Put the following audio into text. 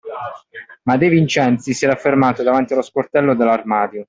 Ma De Vincenzi s'era fermato davanti allo sportello dell'armadio.